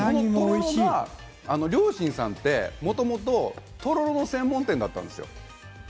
量深さんって、もともととろろ専門店だったんですよ。